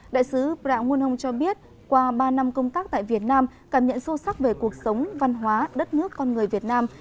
đại sứ braun hong cho biết qua ba năm công tác tại việt nam cảm nhận sâu sắc về cuộc sống văn hóa đất nước con người việt nam